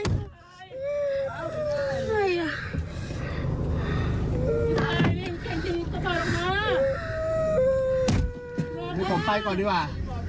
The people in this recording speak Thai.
นี่ผมไปก่อนดีกว่า